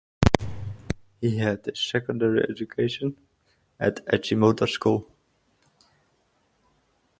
He had his secondary education at Achimota School.